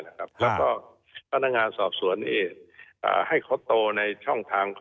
แล้วก็พนักงานสอบสวนให้เขาโตในช่องทาง